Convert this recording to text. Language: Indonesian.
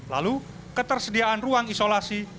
lalu ketersediaan ruang isolasi